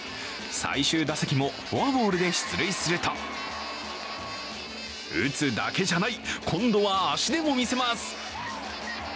最終打席もフォアボールで出塁すると打つだけじゃない、今度は足でも見せます。